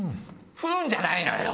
「ふん」じゃないのよ。